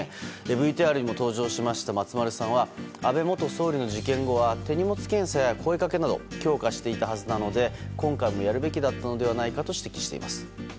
ＶＴＲにも登場しました松丸さんは安倍元総理の事件後は手荷物検査や声掛けなど強化していたはずなので今回もやるべきだったのではないかと指摘しています。